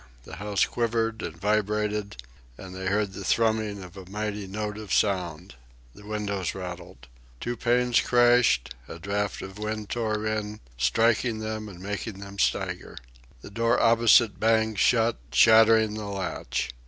The house quivered and vibrated, and they heard the thrumming of a mighty note of sound. The windows rattled. Two panes crashed; a draught of wind tore in, striking them and making them stagger. The door opposite banged shut, shattering the latch.